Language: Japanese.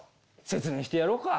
説明してやろうか。